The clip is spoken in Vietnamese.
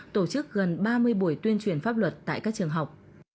tổ chức gần ba mươi buổi tuyên truyền pháp luật tại các trường học